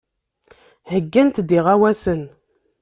Heyyant-d iɣawasen.